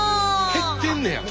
減ってんねや。